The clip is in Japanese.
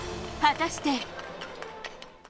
果たして。